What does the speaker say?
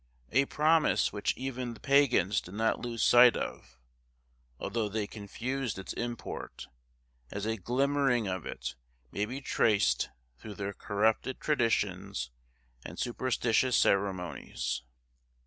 A promise which even the Pagans did not lose sight of, although they confused its import, as a glimmering of it may be traced through their corrupted traditions and superstitious ceremonies.